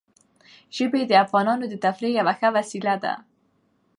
ژبې د افغانانو د تفریح یوه ښه وسیله ده.